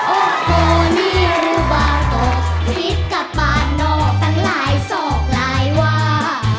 โอโฮนี่รูบาตกพิษกับปากนอกตั้งหลายศอกหลายวา